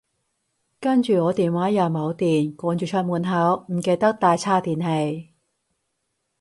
跟住我電話又冇電，趕住出門口，唔記得帶叉電器